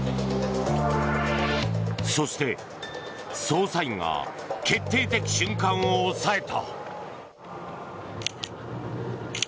そして捜査員が決定的瞬間を押さえた。